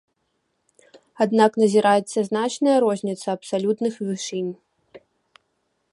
Аднак назіраецца значная розніца абсалютных вышынь.